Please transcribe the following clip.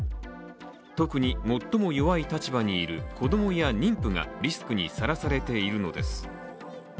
特に最も弱い立場にいる子供や妊婦がリスクにさらされているのです。